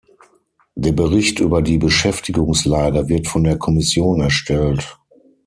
Der Bericht über die Beschäftigungslage wird von der Kommission erstellt.